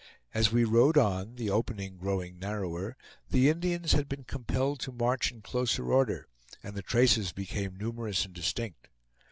As we rode on, the opening growing narrower, the Indians had been compelled to march in closer order, and the traces became numerous and distinct.